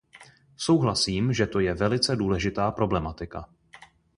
Souhlasím, že to je velice důležitá problematika.